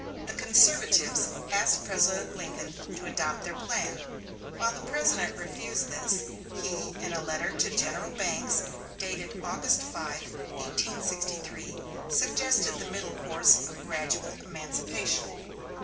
The conservatives asked President Lincoln to adopt their plan. While the President refused this, he in a letter to General Banks dated August 5, 1863, suggested the middle course of gradual emancipation.